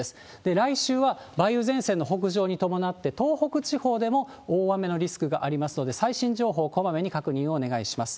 来週は梅雨前線の北上に伴って、東北地方でも大雨のリスクがありますので、最新情報こまめに確認をお願いします。